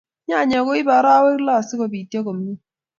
Nyanyek ko ibe arawek loo sikopityo komie